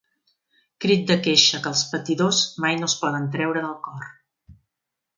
Crit de queixa que els patidors mai no es poden treure del cor.